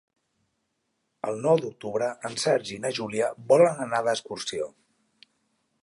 El nou d'octubre en Sergi i na Júlia volen anar d'excursió.